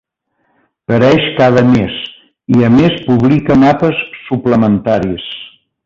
Pareix cada mes, i a més publica mapes suplementaris.